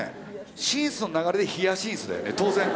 シンスの流れで「ヒヤシンス」だよね当然。